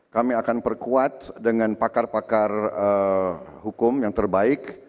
kami akan perkuat dengan pakar pakar hukum yang terbaik